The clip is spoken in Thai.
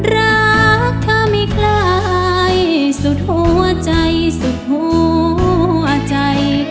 รักเธอไม่คล้ายสุดหัวใจสุดหัวใจ